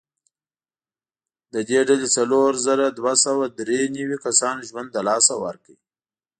له دې ډلې څلور زره دوه سوه درې نوي کسانو ژوند له لاسه ورکړ.